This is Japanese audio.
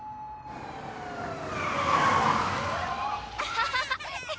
アハハハ！